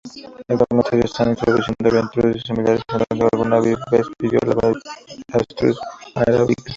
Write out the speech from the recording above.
Actualmente se están introduciendo avestruces somalíes en donde alguna vez vivió la avestruz arábiga.